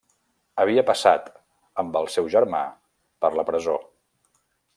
Havia passat, amb el seu germà, per la presó.